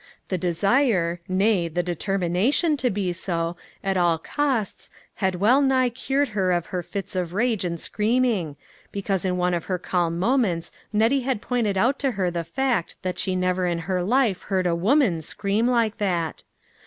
The desire, nay, the determination to be so, at all costs had well nigh cured her of her fits of rage and scream ing, because in one of her calm moments Nettie had pointed out to her the fact that she never in her life heard a woman scream like that.